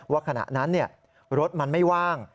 ขณะนั้นรถมันไม่ว่าง